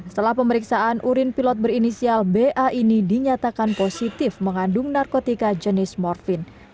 setelah pemeriksaan urin pilot berinisial ba ini dinyatakan positif mengandung narkotika jenis morfin